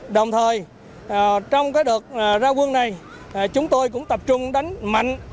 đồng thời trong đợt ra quân này chúng tôi cũng tập trung đánh mạnh